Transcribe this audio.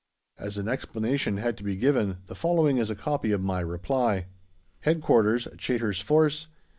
As an explanation had to be given, the following is a copy of my reply: HEADQUARTERS, CHAYTOR'S FORCE.